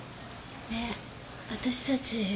ねえ私たち